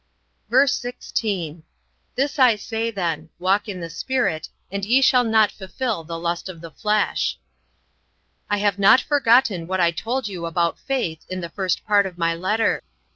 VERSE 16. This I say then, Walk in the Spirit, and ye shall not fulfill the lust of the flesh. "I have not forgotten what I told you about faith in the first part of my letter.